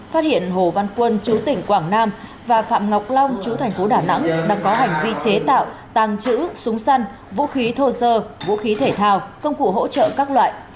phát hiện hồ văn quân chú tỉnh quảng nam và phạm ngọc long chú thành phố đà nẵng đang có hành vi chế tạo tăng chữ súng săn vũ khí thô sơ vũ khí thể thao công cụ hỗ trợ các loại